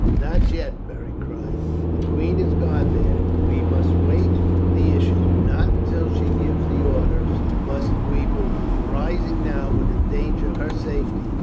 "Not yet," Beric cried. "The queen has gone there; we must wait the issue. Not until she gives the orders must we move. A rising now would endanger her safety.